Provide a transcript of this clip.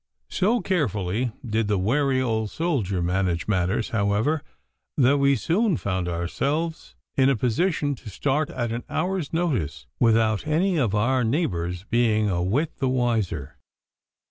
So carefully did the wary old soldier manage matters, however, that we soon found ourselves in a position to start at an hour's notice, without any of our neighbours being a whit the wiser.